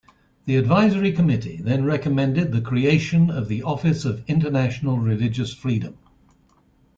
The advisory Committee then recommended the creation of the Office of International Religious Freedom.